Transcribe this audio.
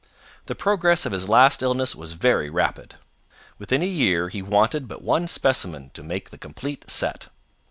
The progress of his last illness was very rapid. Within a year he wanted but one specimen to make the complete set.